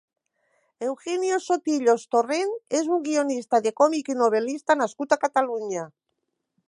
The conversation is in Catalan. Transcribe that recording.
Eugenio Sotillos Torrent és un guionista de còmic i novel·lista nascut a Catalunya.